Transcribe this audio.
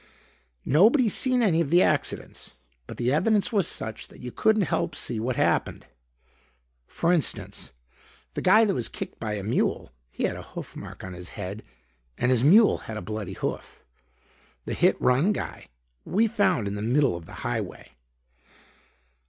Nobody seen any of the accidents, but the evidence was such that you couldn't help see what happened. For instance, the guy that was kicked by a mule, he had a hoof mark on his head and his mule had a bloody hoof. The hit run guy, we found in the middle of the high way."